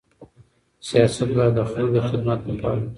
سیاست باید د خلکو د خدمت لپاره وي.